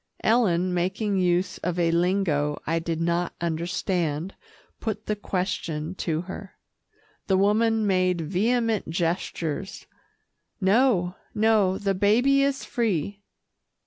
Ellen, making use of a lingo I did not understand, put the question to her. The woman made vehement gestures, "No, no, the baby is free."